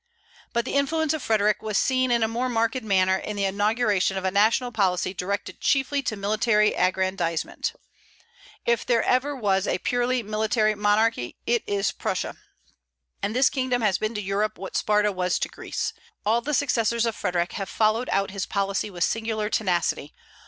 But the influence of Frederic was seen in a more marked manner in the inauguration of a national policy directed chiefly to military aggrandizement. If there ever was a purely military monarchy, it is Prussia; and this kingdom has been to Europe what Sparta was to Greece. All the successors of Frederic have followed out his policy with singular tenacity.